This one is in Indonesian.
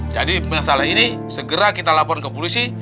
jadi masalah ini segera kita lapor ke polisi